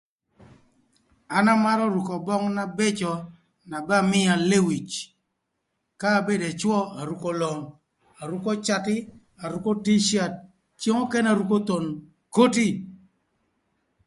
An amarö ruko böng na bëcö na ba mïa lewic. Ka abedo ëcwö aruko long, aruko catï, aruko ticat ceng nökënë aruko thon koti.